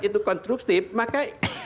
itu konstruktif maka